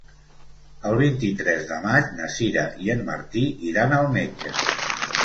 El vint-i-tres de maig na Sira i en Martí iran al metge.